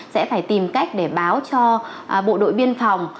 sẽ phải tìm cách để báo cho bộ đội biên phòng